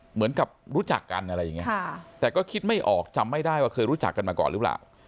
เหมือนกับรู้จักกันอะไรอย่างนี้แต่ก็คิดไม่ออกจำไม่ได้ว่าเคยรู้จักกันมาก่อนหรือเปล่า